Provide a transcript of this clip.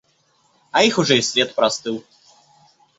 А их уже и след простыл.